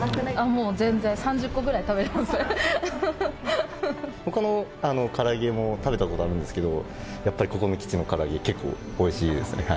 もう、全然３０個ぐらい食べほかの空上げも食べたことあるんですけれども、やっぱりここの基地の空上げ、結構おいしいですね。